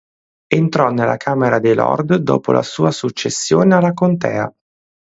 Entrò nella Camera dei lord dopo la sua successione alla contea.